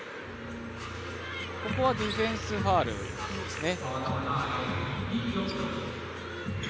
ここはディフェンスファウルですね。